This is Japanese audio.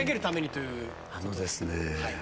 あのですね